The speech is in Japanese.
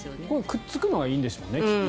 くっつくのがいいんでしょうね。